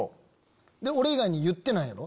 俺以外に言ってないやろ？